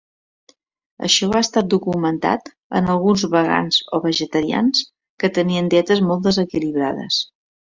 Això ha estat documentat en alguns vegans o vegetarians que tenien dietes molt desequilibrades.